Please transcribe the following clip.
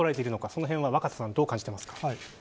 その辺は若狭さんはどう感じていますか？